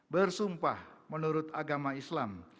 bersumpah menurut agama islam